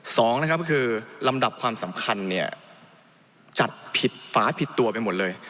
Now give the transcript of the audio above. สองนะครับก็คือลำดับความสำคัญเนี่ยจัดผิดฝาผิดตัวไปหมดเลย